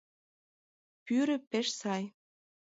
Пӱрӧ пеш сай...